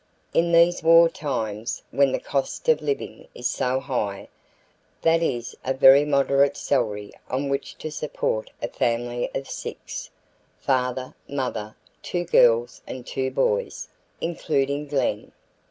In these war times, when the cost of living is so high, that is a very moderate salary on which to support a family of six: father, mother, two girls and two boys, including Glen.